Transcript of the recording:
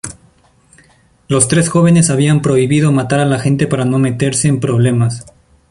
Los tres jóvenes habían prohibido matar a la gente para no meterse en problemas.